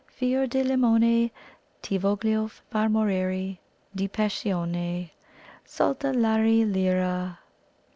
Fior di limone Ti voglio far morire di passione Salta! lari lira."